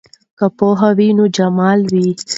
که پوهه وي نو جمال وي.